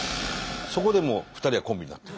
そこでもう２人はコンビになってる。